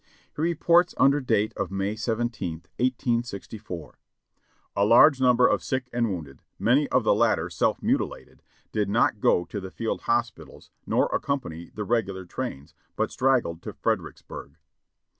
He reports under date of May 17th, 1864: "A large number of sick and wounded, many of the latter self mutilated, did not go to the field hospitals, nor accompany the regular trains, but straggled to Fredericksburg.